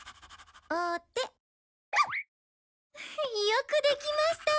よくできました！